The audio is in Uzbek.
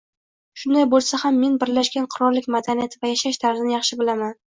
Shunday boʻlsa ham men Birlashgan Qirollik madaniyati va yashash tarzini yaxshi bilaman.